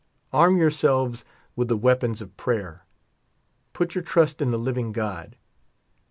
Arm yourselves with the weapons of prayer. Put your trust in the living God.